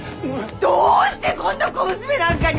どうしてこんな小娘なんかに。